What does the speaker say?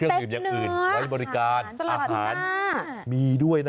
ข้างดูเหมือนอย่างอื่นมาบริการอาหารมีด้วยนะครับ